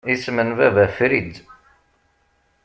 Isem n Baba Fritz.